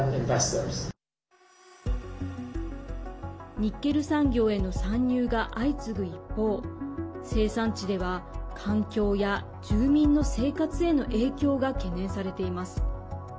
ニッケル産業への参入が相次ぐ一方生産地では環境や住民の生活への影響が懸念されています。